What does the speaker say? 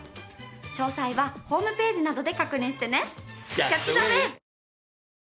詳細はホームページなどで確認してね！